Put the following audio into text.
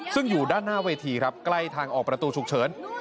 ซึ่งอยู่ด้านหน้าเวทีครับใกล้ทางออกประตูฉุกเฉิน